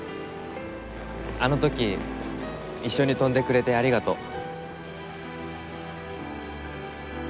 あの時一緒に飛んでくれてありがとう。